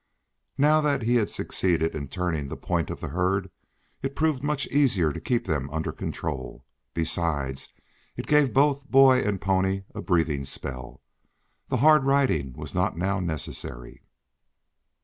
Now that he had succeeded in turning the point of the herd, it proved much easier to keep them under control. Besides, it gave both boy and pony a breathing spell. The hard riding was not now necessary.